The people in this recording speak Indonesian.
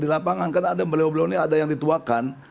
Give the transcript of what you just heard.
di lapangan karena ada melewoblonya ada yang dituakan